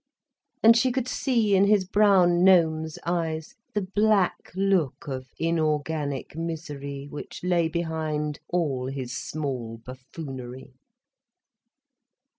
And she could see in his brown, gnome's eyes, the black look of inorganic misery, which lay behind all his small buffoonery.